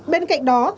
bên cạnh đó